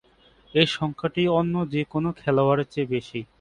এ সংখ্যাটি অন্য যে-কোন খেলোয়াড়ের চেয়ে বেশি।